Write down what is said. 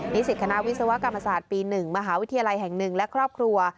สิตคณะวิศวกรรมศาสตร์ปี๑มหาวิทยาลัยแห่ง๑และครอบครัว